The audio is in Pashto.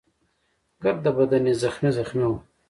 ګرده بدن يې زخمي زخمي وو.